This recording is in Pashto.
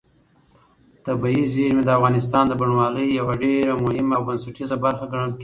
طبیعي زیرمې د افغانستان د بڼوالۍ یوه ډېره مهمه او بنسټیزه برخه ګڼل کېږي.